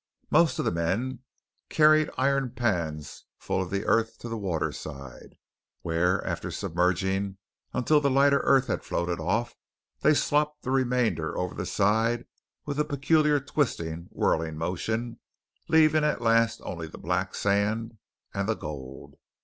Most of the men carried iron pans full of the earth to the waterside, where, after submerging until the lighter earth had floated off, they slopped the remainder over the side with a peculiar twisting, whirling motion, leaving at last only the black sand and the gold!